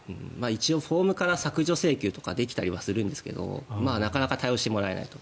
一応、フォームから削除請求とかできたりするんですけどなかなか対応してもらえないと。